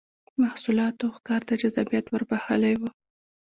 محصولاتو او ښکار ته جذابیت ور بخښلی و